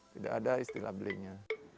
tidak ada istilah belinya